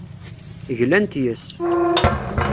Glant yes-s.